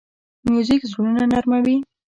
موزیک زړونه نرمه وي.